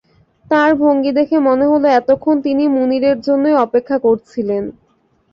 তাঁর ভঙ্গি দেখে মনে হল এতক্ষণ তিনি মুনিরের জন্যেই অপেক্ষা করছিলেন।